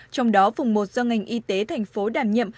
trong đó vùng một do ngành y tế thành phố đảm nhiệm